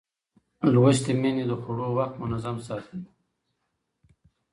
لوستې میندې د خوړو وخت منظم ساتي.